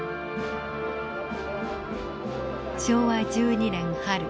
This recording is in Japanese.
昭和１２年春。